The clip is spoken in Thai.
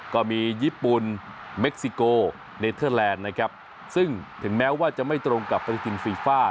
ก็มีญี่ปุ่นเม็กซิโกเนเทอร์แลนด์นะครับซึ่งถึงแม้ว่าจะไม่ตรงกับฟริจินฟีฟ่า